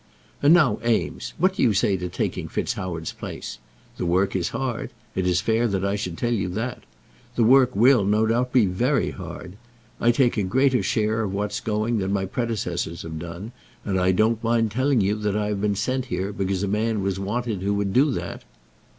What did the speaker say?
And now, Eames, what do you say to taking FitzHoward's place? The work is hard. It is fair that I should tell you that. The work will, no doubt, be very hard. I take a greater share of what's going than my predecessors have done; and I don't mind telling you that I have been sent here, because a man was wanted who would do that."